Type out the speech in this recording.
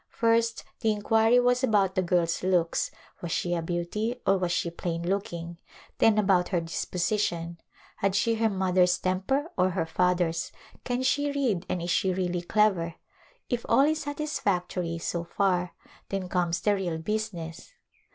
First the inquiry was about the girl's looks — was she a beauty or was she plain looking, — then about her disposition, had she her mother's tem per or her father's ; can she read and is she really clever ? If all is satisfactory so far then comes the real business.